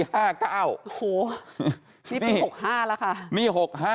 โอ้โหนี่ปี๖๕แล้วค่ะ